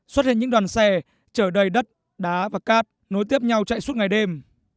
xuất hiện những đoàn xe chở đầy đất đá và cát nối tiếp nhau chạy suốt ngày đêm